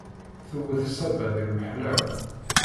Tewwet ṣaba di lmeḥna-w.